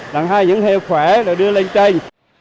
lần hai những heo khỏe được đưa lên trên